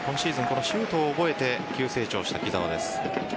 このシュートを覚えて急成長した木澤です。